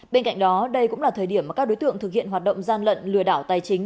bên cạnh đó đây cũng là thời điểm mà các đối tượng thực hiện hoạt động gian lận lừa đảo tài chính